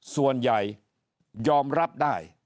ส่วนใหญ่ยอมรับได้